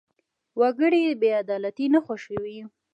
وګړي بېعدالتي نه خوښوي.